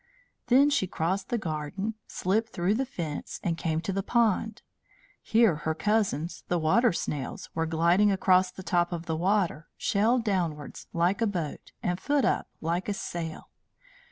Then she crossed the garden, slipped through the fence, and came to the pond. Here her cousins, the Water Snails, were gliding across the top of the water, shell downwards, like a boat, and foot up like a sail.